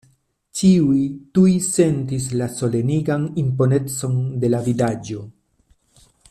Ĉiuj tuj sentis la solenigan imponecon de la vidaĵo.